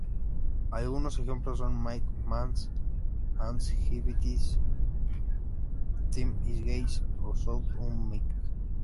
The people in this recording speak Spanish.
Algunos ejemplos son ""Mike Mahan Has Gingivitis"," ""Tim Is Gay"" o ""Shut Up, Mike".